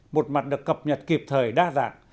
một mặt được cập nhật kịp thời đa dạng